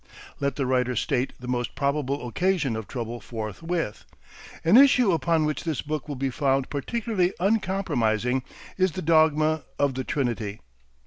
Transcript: Let the writer state the most probable occasion of trouble forthwith. An issue upon which this book will be found particularly uncompromising is the dogma of the Trinity.